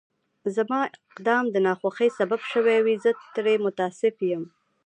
که زما اقدام د ناخوښۍ سبب شوی وي، زه ترې متأسف یم.